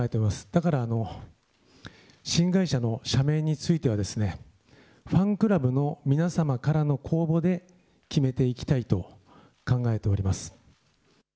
だから、新会社の社名についてはですね、ファンクラブの皆様からの公募で決めていきたいと考えております。